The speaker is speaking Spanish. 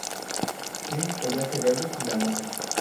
Tiene el follaje verde y lanoso.